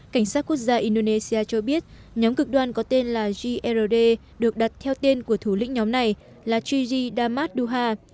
cảnh sát quốc gia indonesia cho biết nhóm cực đoan có tên là grd được đặt theo tên của thủ lĩnh nhóm này là jiji damaduha